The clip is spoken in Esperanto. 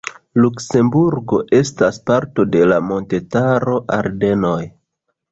Luksemburgo estas parto de la montetaro Ardenoj.